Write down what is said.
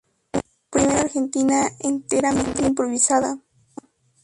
Primera película argentina enteramente improvisada.